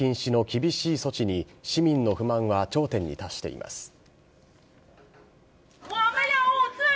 外出禁止の厳しい措置に市民の不満は頂点に達しています。